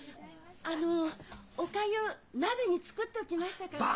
あのおかゆ鍋に作っておきましたから。